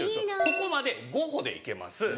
ここまで５歩で行けます。